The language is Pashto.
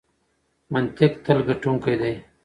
منطق تل ګټونکی دی.